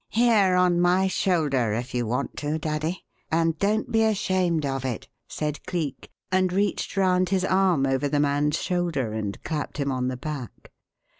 Here on my shoulder, if you want to, daddy, and don't be ashamed of it!" said Cleek, and reached round his arm over the man's shoulder and clapped him on the back.